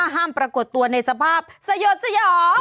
๕ห้ามประกวดตัวในสภาพสยดสยอง